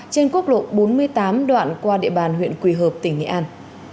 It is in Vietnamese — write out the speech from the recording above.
trên quốc lộ bốn mươi tám đoạn qua địa bàn huyện quỳ hợp tỉnh nghệ an